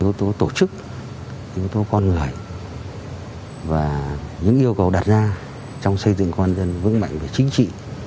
yếu tố tổ chức yếu tố con người và những yêu cầu đặt ra trong xây dựng công an nhân vững mạnh và chính trị